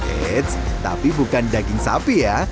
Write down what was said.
eits tapi bukan daging sapi ya